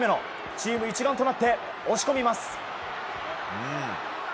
チーム一丸となって押し込みます。